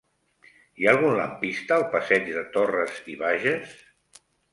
Hi ha algun lampista al passeig de Torras i Bages?